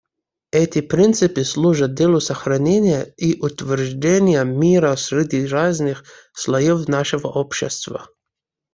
Эти принципы служат делу сохранения и утверждения мира среди разных слоев нашего общества.